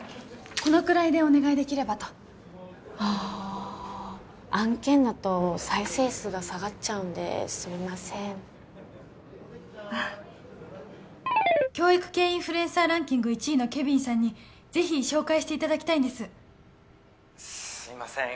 このくらいでお願いできればとあ案件だと再生数が下がっちゃうんですみませんああ教育系インフルエンサーランキング１位のケビンさんにぜひ紹介していただきたいんですすいません